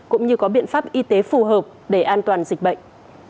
cũng như có biện pháp y tế phù hợp để an toàn dịch bệnh